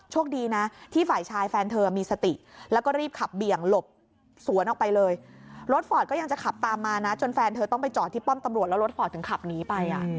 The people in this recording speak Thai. ดีนะที่ฝ่ายชายแฟนเธอมีสติแล้วก็รีบขับเบี่ยงหลบสวนออกไปเลยรถฟอร์ตก็ยังจะขับตามมานะจนแฟนเธอต้องไปจอดที่ป้อมตำรวจแล้วรถฟอร์ตถึงขับหนีไป